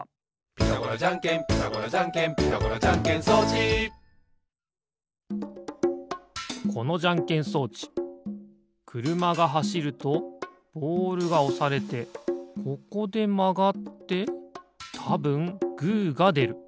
「ピタゴラじゃんけんピタゴラじゃんけん」「ピタゴラじゃんけん装置」このじゃんけん装置くるまがはしるとボールがおされてここでまがってたぶんグーがでる。